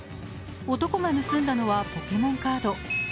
男が盗んだのはポケモンカード。